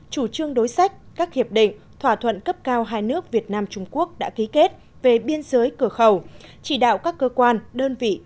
chủ trương đối sách các hiệp định thỏa thuận cấp cao hai nước việt nam trung quốc đã ký kết về biên giới cửa khẩu chỉ đạo các cơ quan đơn vị